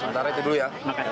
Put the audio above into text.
sementara itu dulu ya